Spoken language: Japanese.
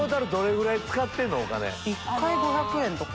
１回５００円とか？